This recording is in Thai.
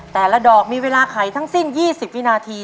แต่ละดอกมีเวลาไขทั้งสิ้น๒๐วินาที